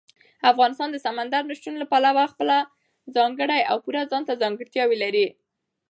افغانستان د سمندر نه شتون له پلوه خپله ځانګړې او پوره ځانته ځانګړتیاوې لري.